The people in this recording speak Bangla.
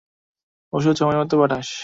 ওষুধ সময়মতো পাঠাস।